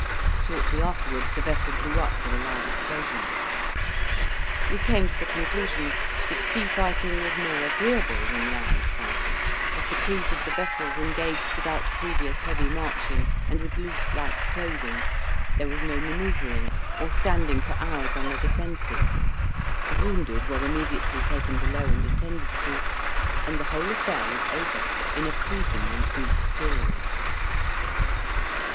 Shortly afterwards the vessel blew up with a loud explosion. We came to the conclusion that sea fighting was more agreeable than land fighting, as the crews of the vessels engaged without previous heavy marching, and with loose light clothing; there was no manoeuvring or standing for hours on the defensive; the wounded were immediately taken below and attended to, and the whole affair was over in a pleasingly brief period.